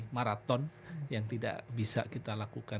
maraton yang tidak bisa kita lakukan